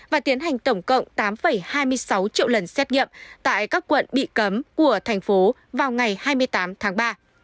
và tiến hành tổng cộng tám hai mươi sáu triệu lần xét nghiệm tại các quận bị cấm của thành phố vào ngày hai mươi tám tháng ba